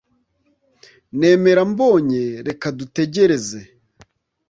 Nemera mbonye reka dutegereze